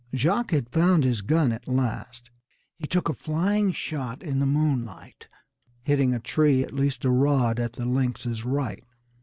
Jacques had found his gun at last. He took a flying shot in the moonlight, hitting a tree at least a rod at the lynx's right.